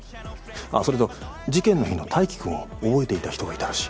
あっそれと事件の日の泰生君を覚えていた人がいたらしい。